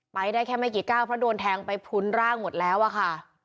ไปได้แค่ไม่กี่ก้าวเพราะโดนแทงไปพุ้นร่างหมดแล้วอะค่ะ